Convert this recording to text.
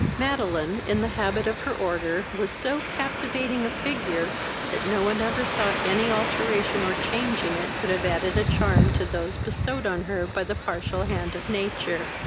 Madeline, in the habit of her order, was so captivating a figure, that no one ever thought any alteration or change in it could have added a charm to those bestowed on her by the partial hand of nature.